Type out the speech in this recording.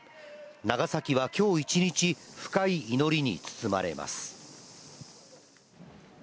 長崎はきょう一日、深い祈りに包まれます。